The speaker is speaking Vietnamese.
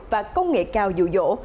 và công nghệ cao dụ dỗ